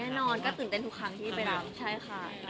แน่นอนตื่นเต้นทุกครั้งที่ไปรับ